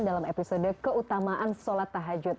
dalam episode keutamaan sholat tahajud